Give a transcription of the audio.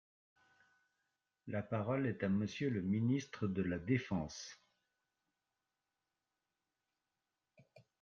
La parole est à Monsieur le ministre de la défense.